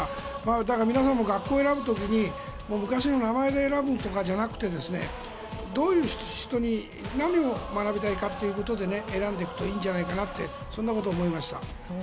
だから皆さんも学校を選ぶ時に昔の、名前で選ぶとかじゃなくてどういう人に何を学びたいかということで選んでいくといいんじゃないかとそんなことを思いました。